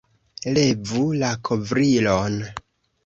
Levu la kovrilon!